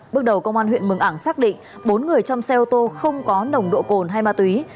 bước đầu công an huyện mường ảng xác định bốn người trong xe ô tô không có nồng độ cồn hay ma túy